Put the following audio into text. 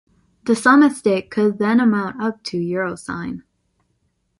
The sum at stake could then amount up to €.